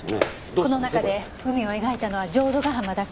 この中で海を描いたのは浄土ヶ浜だけ。